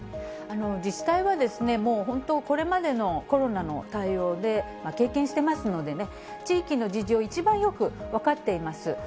自治体は、もう本当、これまでのコロナの対応で、経験してますのでね、地域の事情を一番よく分かっています。